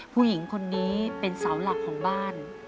ผู้หญิงคนนี้เป็นเสาหลักของบ้าน